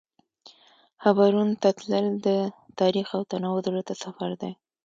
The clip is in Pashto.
حبرون ته تلل د تاریخ او تنوع زړه ته سفر دی.